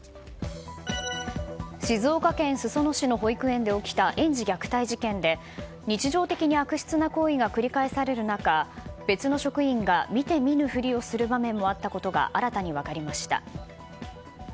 静岡県裾野市の保育園で起きた園児虐待事件で日常的に悪質な行為が繰り返される中別の職員が見て見ぬふりをする場面もあったことが新たに分かりました。